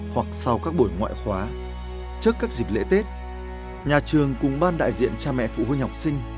hoặc sau các buổi ngoại khóa trước các dịp lễ tết nhà trường cùng ban đại diện cha mẹ phụ huynh học sinh